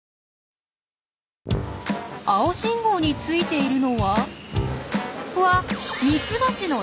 青信号についているのはうわ！